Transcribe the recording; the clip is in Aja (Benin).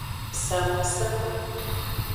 Samasama.